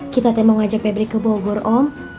kita mau ngajak pebli ke bogor om